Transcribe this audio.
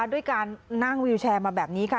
ด้วยการนั่งวิวแชร์มาแบบนี้ค่ะ